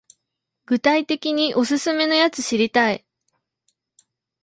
具体的にオススメのやつ知りたい